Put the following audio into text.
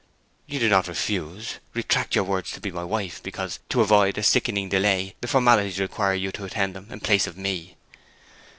You do not refuse retract your word to be my wife, because, to avoid a sickening delay, the formalities require you to attend to them in place of me?'